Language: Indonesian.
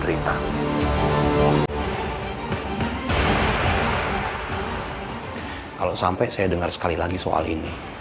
kenapa sih tapi gak flip iary kllk